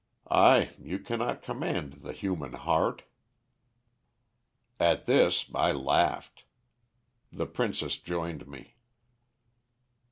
Ay, you cannot command the human heart.' "At this I laughed. The princess joined me.